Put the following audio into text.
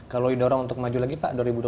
kalau ada orang untuk maju lagi pak